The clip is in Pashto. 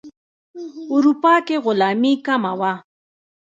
اروپا کې غلامي کمه وه.